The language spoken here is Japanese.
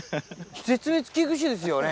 絶滅危惧種ですよね。